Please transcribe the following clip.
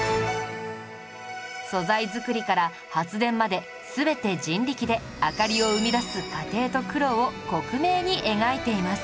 素材作りから発電まで全て人力で明かりを生み出す過程と苦労を克明に描いています